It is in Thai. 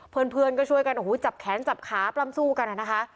เพื่อนก็ช่วยกันโอ้โหจับแขนจับขาปล้ำสู้กันนะคะ